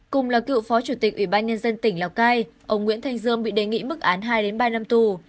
cùng là cựu phó chủ tịch ủy ban nhân dân tỉnh lào cai ông nguyễn thanh dương bị đề nghị mức án hai ba năm tù